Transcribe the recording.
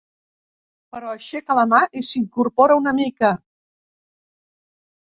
Però aixeca la mà i s'incorpora una mica.